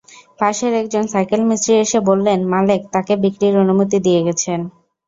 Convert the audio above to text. পাশের একজন সাইকেল মিস্ত্রি এসে বললেন, মালেক তাঁকে বিক্রির অনুমতি দিয়ে গেছেন।